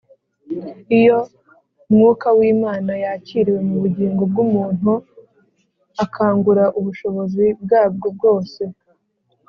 iyo mwuka w’imana yakiriwe mu bugingo bw’umuntu, akangura ubushobozi bwabwo bwose